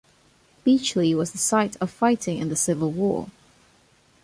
Beachley was the site of fighting in the Civil War.